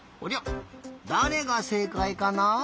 だれがせいかいかな？